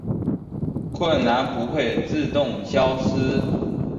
困难不会自动消失